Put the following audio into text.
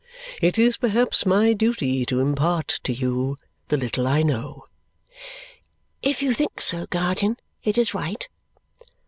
It is perhaps my duty to impart to you the little I know." "If you think so, guardian, it is right."